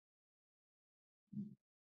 کتاب د انسان تر ټولو غوره ملګری کېدای سي.